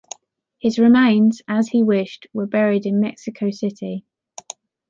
His remains, as he wished, were buried in Mexico City.